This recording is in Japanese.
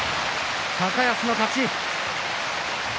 高安の勝ち。